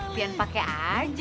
pian pake aja